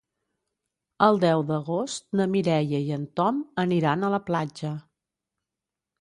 El deu d'agost na Mireia i en Tom aniran a la platja.